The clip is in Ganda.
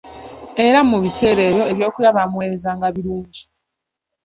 Era mu biseera ebyo ebyokulya baamuweerezanga birungi.